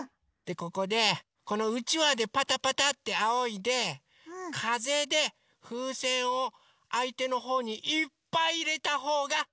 ここでこのうちわでパタパタってあおいでかぜでふうせんをあいてのほうにいっぱいいれたほうがかちです！